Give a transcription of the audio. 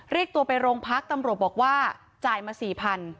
เรียกตัวไปโรงพักตำรวจบอกว่าจ่ายมาสี่พัน